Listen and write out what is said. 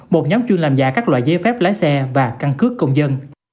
một nhóm chuyên làm giả các loại giấy phép lái xe và căn cước công dân